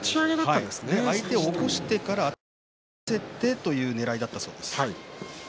相手を起こしてから頭を下げさせてというねらいだったそうです。